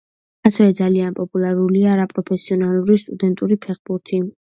ასევე ძალიან პოპულარულია არაპროფესიონალური სტუდენტური ფეხბურთი.